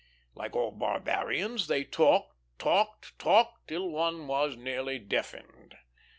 Like all barbarians, they talked, talked, talked, till one was nearly deafened.